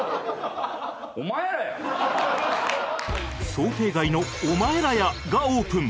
想定外の「お前らや！！」がオープン